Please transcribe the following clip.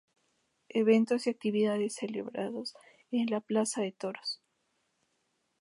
Eventos y actividades celebrados en la plaza de toros.